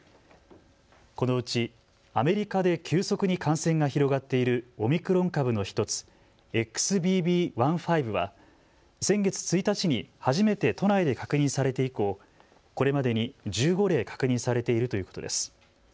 このうちアメリカで急速に感染が広がっているオミクロン株の１つ、ＸＢＢ．１．５は先月１日に初めて都内で確認されて以降、これまでに１５例確認されているということです。